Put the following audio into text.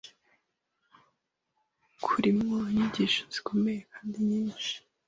Kurimo inyigisho zikomeye kandi nyinshi